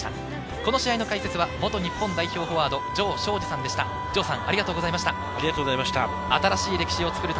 この試合の解説は元日本代表フォワード・城彰二さんでした。